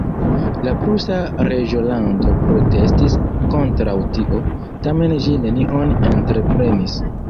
La prusa reĝolando protestis kontraŭ tio, tamen ĝi nenion entreprenis.